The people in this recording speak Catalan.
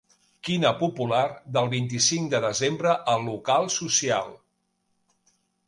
Quina popular del vint-i-cinc de desembre al local social.